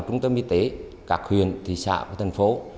trung tâm y tế các huyền thị xã và thành phố